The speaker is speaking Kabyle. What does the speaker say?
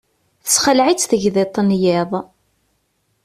Tesexleε-itt tegḍiḍt n yiḍ.